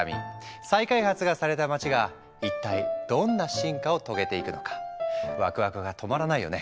再開発がされた街が一体どんな進化を遂げていくのかワクワクが止まらないよね。